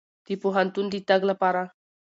د پوهنتون د تګ لپاره.